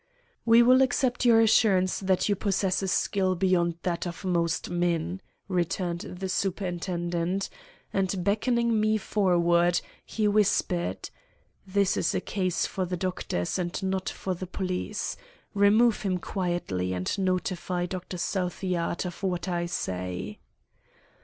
"We will accept your assurance that you possess a skill beyond that of most men," returned the Superintendent. And beckoning me forward, he whispered: "This is a case for the doctors and not for the police. Remove him quietly, and notify Dr. Southyard of what I say."